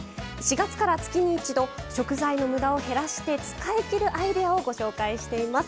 ４月から月に一度食材のむだを減らして使いきるアイデアをご紹介しています。